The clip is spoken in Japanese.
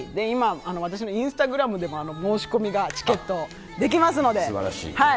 今、私のインスタグラムでも申し込みがチケットできますので。